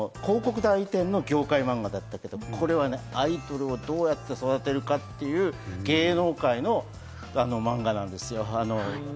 あれは広告代理店の業界マンガだったけど、これはアイドルをどうやって育てるかっていう芸能界のマンガなんですよ。